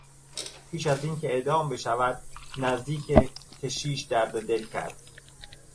پیش از اینکه اعدام بشود نزدیک کشیش درد دل کرد.